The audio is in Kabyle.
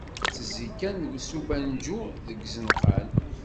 Itezzi kan s ubanju deg izenqan.